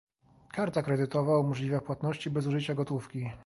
Karta kredytowa umożliwia płatności bez użycia gotówki.